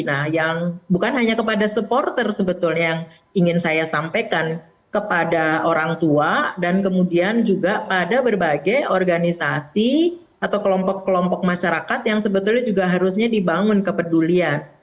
nah yang bukan hanya kepada supporter sebetulnya yang ingin saya sampaikan kepada orang tua dan kemudian juga pada berbagai organisasi atau kelompok kelompok masyarakat yang sebetulnya juga harusnya dibangun kepedulian